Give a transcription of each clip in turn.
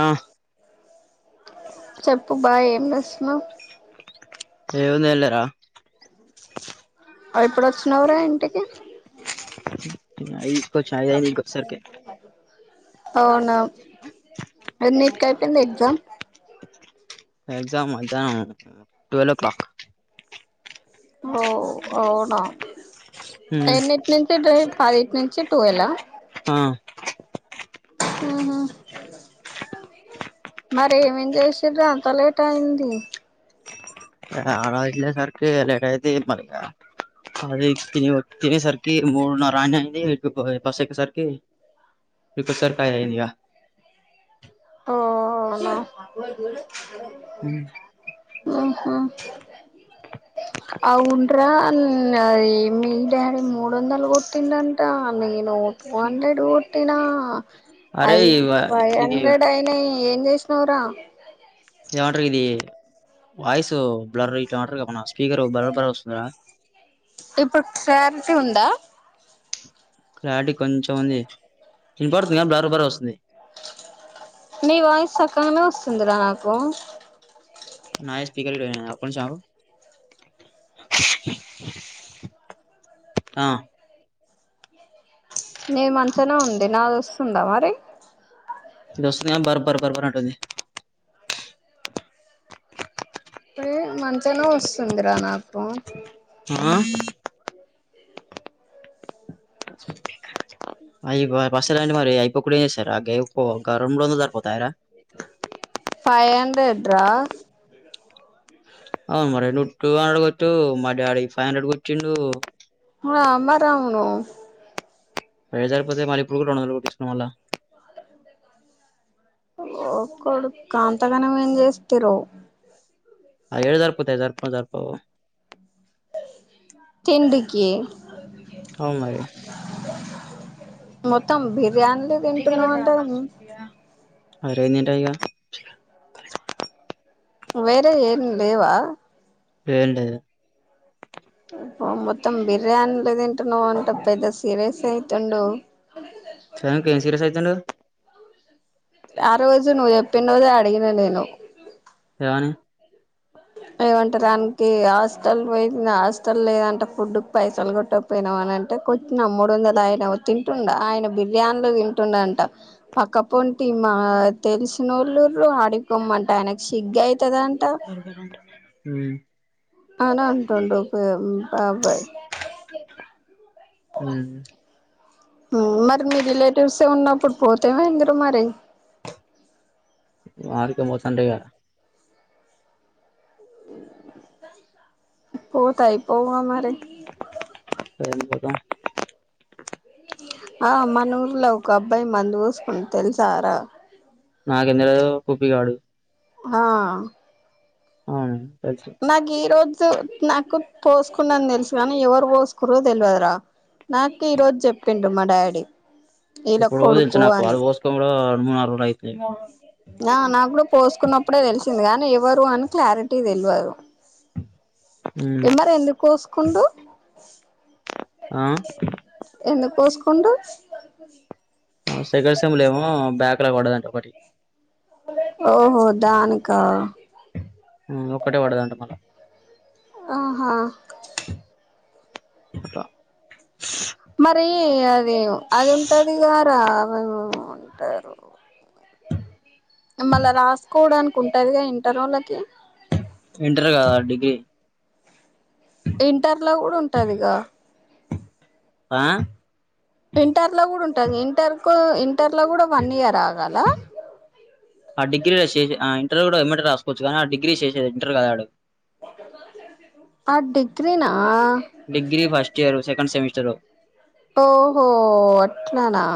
ఆ చెప్పు బా ఏం జెసున్నావ్ ఏంలేదులేరా అ ఎప్పుడు వచ్చినవ్రా ఇంటికి ఈ పో చాయ్ తాగి ఇంకోసార్కి అవునా అన్నిటి కంటే ఎగజామ్ ఎగ్జామ్ అ మధ్యాహ్నం ట్వల్వ్ ఓ క్లాక్ ఓ అవునా ఎన్నింటి నుంచి డ్రై పదిట్ నుంచి ట్వల్వా ఆ ఆహ మర ఏమేం చేసిర అంత లేట్ అయింది. అలాలే సరికి లేటైతే మరి అది తిని తినేసరికి మూడున్నర అని అయింది. ఇ బసుక్కే సరికి ఇకొసరికి అది అయింది ఇగ ఓహో [unintelligible] ఊహ్మ్ అవుండ్రా ఉం అది మీ డాడీ మూడు వందలు కొట్టిండంట నేను. టూ హండ్రెడ్ కొటినా అరే ఐదు ఇవ ఫైవ్ ఇది హండ్రెడ్ నన ఏం చేసినవరా ఏమంటారు ఇది వాయిస్ బలర్ ఇట్లామంటారు కా స్పీకర్ బలర్ బర్ వస్తుందరా. ఇప్పుడు క్లారిటీ ఉందా క్లారిటీ కొంచెం ఉంది ఇంపడుతుంది కానీ బ్లర్ బ్లర్ వస్తుంది. ఉందర నాకు నాయి స్పీకర్ పోయి ఆ ఒక్నింశం ఆగు ఆ నే మంచనే ఉంది నాది వస్తుందా మరి ఇది వస్తుంది బర్బర్ బర్బర్ నటంది. ఏ మంచిగానే వస్తుందిరా నాకు వ అయి పస రండ్ మరి ఇపడిసరా గేఉప గరంలోనుజ పోత ఎరా ఫైవ్ హండ్రెడ్ రా అవును మరి టు టూ హండ్రెడ్ గొట్టు మా డాడి ఫైవ్ హండ్రెడ్ కొట్టిండు అ అమారవును పై సరిపొదే మళ్ళీ ఇప్పుడు కూడా రెండు వందలు కొట్టించినా మల్ల. ఒక్కడు కాంతకనం ఏం చేస్త్ర ఏడ సరిపోతాయి, సరిపోని సరిపోవు. తిండికి ఔ మరి మొత్తం బి ర్యానీలు తింటున్నావు అంట అరేంజింటా యిగ వేరే ఏం లేవా ఏంటిది మొత్తం బిర్యానీలే తింటున్నవంట పెద్ద సీరియస్ అయితుండు సానికి ఏం సీరియస్ ఐతుండు ఆ రోజు నువ్వు ఎప్పిన రోజే అడిగిన నేను ఏమని ఏమంటారు దానికి హాస్టల్ పోయిన హాస్టల్ లేదంట ఫుడ్డుకు పైసలు కొట్టకపోయినావా అని అంటే కొట్నా మూడువందలు ఆయన తింటుండా ఆయన బిర్యానీలు తింటుండంట పక్కపొంటి మా తెలిసినోళ్ళుర్రు ఆడికొమ్మంటే ఆయనకి షిగ్గై తదంట ఊ అని అంటుండు [unintelligible] బాబాయ్ ఉమ్ మరి మీ రిలేటివ్సే ఉన్నప్పుడు పోతే ఏం అయ్యిందిరా మరి ఆడికే పోతాంటే ఇగ పోతే ఐపోవా మరి వెళ్ళిపోతాం ఆ మనుర్లో ఒక అబ్బాయి మందు పోసుకుండు తెలుసా రా నాక్ ఎందుకు తెల్వదు కుపీ గాడు ఆ అవునండి నాకి ఈ రోజు జు నాకు పోసుకుండని తెలుసు కానీ ఎవరు పోసుకురో తెల్వదు రా నాకు ఈరోజు చెప్పిండు మా డాడీ వీళ్ళ ఎప్పుడో తెల్సు నాకు వాడు పోసుకొని కూడా మూడు నాలుగు రోజులు అయి ఆ నాకూడ పోసుకున్నప్పుడే తెలిసిందిగా ని ఎవరు అని క్లారిటీ తెల్వదు ఉమ్ ఏ మరి ఎందుకు పోసుకుండు ఆ ఎందుకు పోసుకుండు ఆ సెకండ్ సెమ్లో ఏమో బ్యాక్ లాక్ పడ్డదంట ఒకటి ఓహో దానికా ఒక్కటే పడదంట మళ్ళా ఆహా అట్లా మరి అదే అది ఉంటదిగా రామమ ఉంటారు మళ్ళా రాసుకోవడానికి ఉంటారుగా ఇంటర్ వాళ్ళకి ఇంటర్ కదా డిగ్రీ ఇంటర్లో కూడా ఉంటుందిక ఆ ఇంటర్ లో కూడా ఉంటుంది ఇంటర్ కు ఇంటర్లో కూడా వన్ ఇయర్ ఆగాల ఆ డిగ్రీలా చేస ఆ ఇంటర్ కూడా ఎ రాసుకోవచ్చు కానీ ఆ డిగ్రీ చేసేది ఇంటర్ కదాడు ఆ డగరనా degree first year second semester చలో ఓహో అట్లానా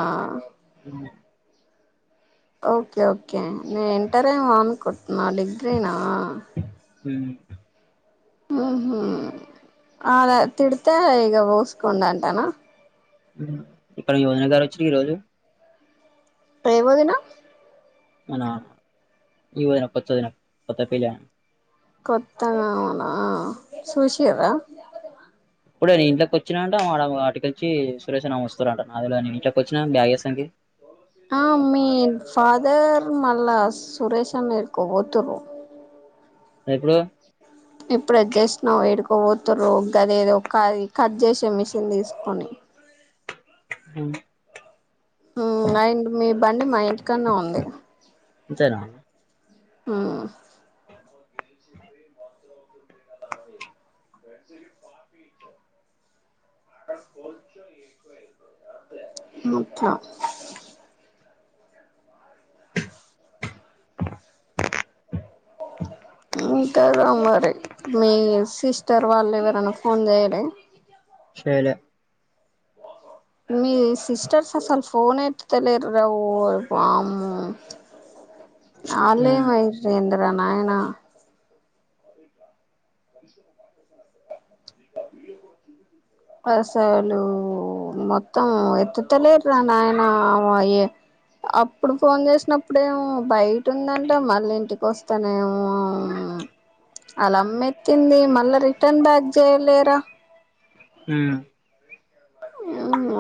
ఓకే ఓకే నే ఇంటర్ ఏమో అనుకుంటున్నా డిగ్రీనా హమ్ ఉ హమ్ తిడ్తే ఈగ పోస్కుండనంటన ఇక్కడ యోజన గారు వచ్చారు ఈ రోజు ప్రేమోదిన మన ఈ వదిన కొత్త వదిన కొత్త పెళ్లి ఆమె కొత్తగా అవునా చుషిర ఇప్పుడే నేను ఇంట్లోకి వచ్చినా అంట ఆడ అటుకొచ్చి సురేష్ అన్న వస్తారంట నాకు తెలవదు నేను ఇంట్లోకి వచ్చినా బ్యాగ్ ఏస్తానికి ఆ మీ ఫాదర్ మళ్ళ సురేష్ అన్న ఏడికో పోతుర్రు ఎప్పుడు ఇప్పుడే జస్ట్ నౌ ఏడుకో పోతురు గది ఏదో కట్ చేసే మిషన్ తీసుకొని హ్మ్ హ్మ్ మా ఇం మీ బండి మా ఇంటికాడ్నే ఉంది అంతేనా హ్మ్ ముఖ్య తెల్దు మరి మీ సిస్టర్ వాళ్ళు ఎవరైనా ఫోన్ చేయాలే చేయలే మీ సిస్టర్స్ అసలు ఫోన్ ఏత్తుత లేరు రా ఓరి వామ్మో మ్మ్ ఆళ్ళేం [unintelligible] రా నాయన అసలు మొత్తం ఎత్తుతలేరు రా నాయన ఆమె అప్పుడు ఫోన్ చేసినప్పుడేమో బయట ఉందంట మళ్ళీ ఇంటికి వస్తానేమో వాళ్ళ అమ్మ ఎత్తింది మళ్ళా రిటర్న్ బ్యాక్ చేయలేరా హ్మ్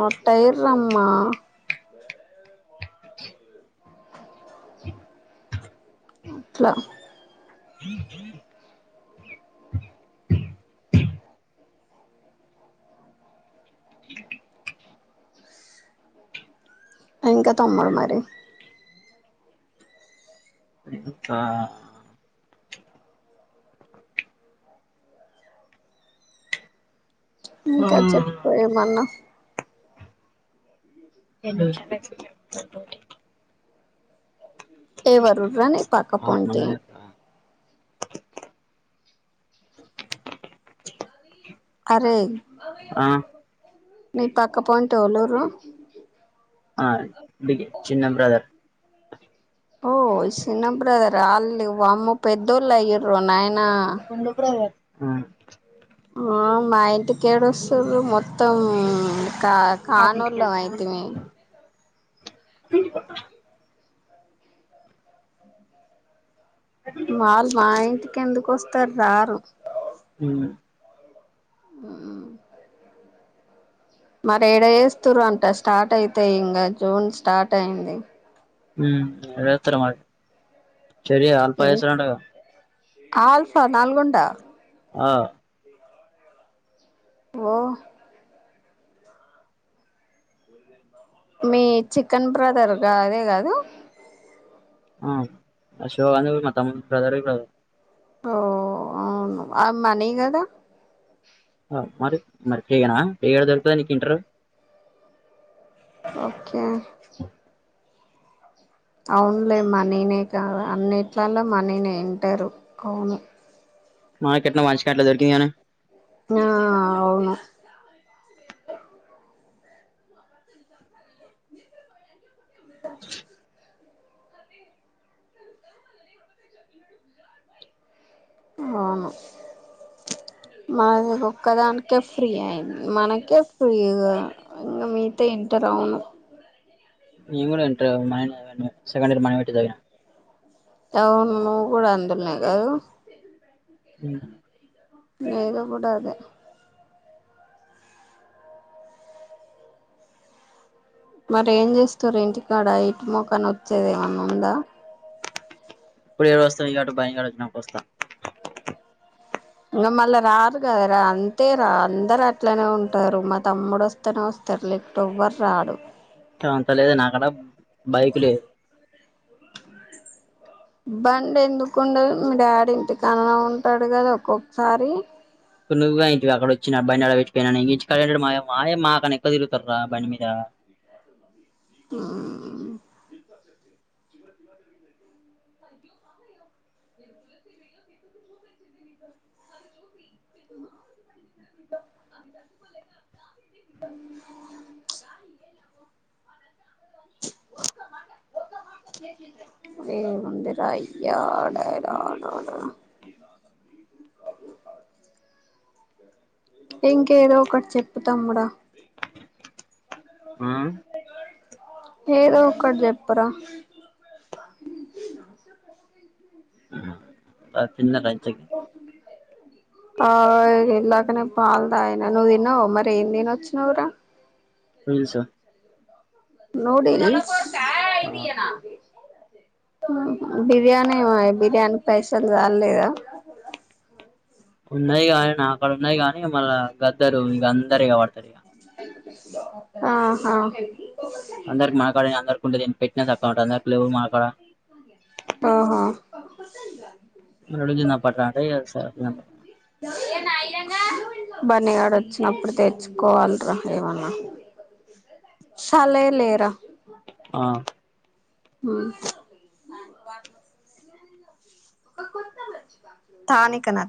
అట్ట అయిర్రు అమ్మ అట్లా ఇంక తమ్ముడు మరి ఇంకా ఇంకా చెప్పు ఏమన్నా ఎవరుర్రా నీ పక్క ఆరు పొంటి నెలలు అయిందా అరే ఆ నీ పక్క పొంటి ఎవలుర్రు ఆ బిగ్ చిన్న బ్రదర్ ఓ ఇ చిన్న బ్రదర్ అల్ అమ్ పెద్దోళ్ళ అయిరు నాయనా ఎందుకు రాలే ఆ మా ఇంటి కేడు వస్తురు మొత్తం కా కనూర్ లో అయితే మీ వాళ్ళు మా ఇంటికి ఎందుకు వస్తారు రారు ఉమ్ హమ్ మరి ఏడ ఏస్తరు అంట స్టార్ట్ అయితాయి ఇంకా జూన్ స్టార్ట్ అయింది హమ్ ఏడ ఏత్తుర్రో మరి చెరి ఆల్ఫా ఎస్తాదంట గా ఆల్ఫ నల్గొండ ఆ ఓమ్ మీ చికన్ బ్రదర్ గాదె కదు ఆ అశో అను మా తమ్ము బ్రదరు బ్రదర్ ఓ అవ్ను ఆ మనీ కదా ఆ మరి మరి ఫ్రీగనా ఫ్రీ దొరుకతదా నీకి ఇంటరు ఆ ఉమ్ అవున్లే మనీనే కాద అన్నిట్లలో మనీనే వింటారు అవును మాంకేట్ల వాంచికట్లా దొరికియానా ఆ అవును అవును మన్ కొక్కదానికే ఫ్రీ అయింది మనకే ఫ్రీగా ఇంగ మీతో ఇంటర్ అవును మేంకూడ ఇంటర్ చదివ మాయన్న చదివే సెకండ్ ఇయర్ మాయ పెట్టి చదివ అవును నువ్వు కూడ అందుల్నే కదు ఉమ్ మేగ కూడ అదె మరి ఏం చేస్తరు ఇంటికాడ ఇటు మొకన వచ్చేది ఏమన్నా ఉందా ఇప్పుడు ఏడు వస్తా ఇయ్యేటు బాయకాడు వచ్చినపుడు వస్తా ఇంక మళ్ళ రారు కద ర అంతే రా అందర్ అట్లనె ఉంటారు మా తమ్ముడు వస్తనే వస్తారు లేకపోతె రారు అంత లేదు నాక్కడ బైకులేదు బండి ఎందుకుండదు మీ డాడీ ఇంటికాన్నె ఉంటాడు కదా ఒక్కొక్కసారి తునువుగా ఇంటి అక్కడ వచ్చిన బండి ఆ డ పెట్టపెనాడు నె ఇంటి కాడ యాడున్నడు మాయవ్వ వాయమ్మ అతను ఎక్కువ తిగుతారు రా బండి మీద ఉమ్ ఉమ్ గాలి ఏలిన పొ ఏ మందిర అయ్యాడ రాడా ఇంకేదో ఒకటి చెప్పుతమ్ముడ ఏదో ఒకటి చెప్పరా తిన్నరా ఇంతకి ఆ ఇలాకనె పాల్ తాగినాను నువ్వు తిన్నావ మరి ఏం తినొచ్చినవురా పులిశ నూడిల్స్ ఆ ఆ బిర్యానీ వై బిర్యానీ పైసల్ చాల్లేద ఉన్నయ్ కానీ నాక్కడ ఉన్నయ్ గానీ మళ్ళ గద్దరు ఇక అందరిగా పడతారు ఇక ఆహా అందర్కి మాకాడ అందర్కుంటది పెట్టిన చక్క ఉంటది అందరి లే మకాడ ఓహో [unintelligible] పునుగులు తిందాం పట్టు అంటే వచ్చినం బన్నిగాడు వచ్చినప్పుడు తెచ్చుకోవాల్ [unintelligible] లేవన్న సాలే లేరా ఆహ్ హమ్ థానికనా